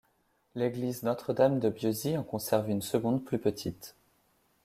L’église Notre-Dame de Bieuzy en conserve une seconde plus petite.